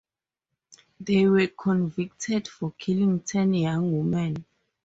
They were convicted for killing ten young women.